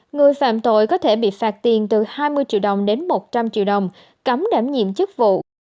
người phạm tội có thể bị phạt tiền từ hai mươi triệu đồng đến một trăm linh triệu đồng cấm đảm nhiệm chức vụ